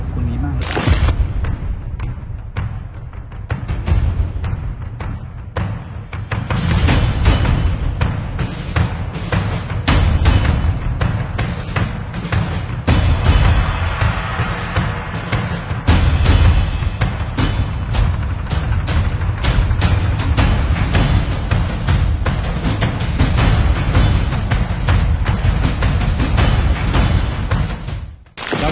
คุณพี่ตะเนื้อข่าว